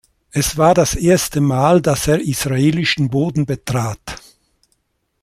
Es war das erste Mal, dass er israelischen Boden betrat.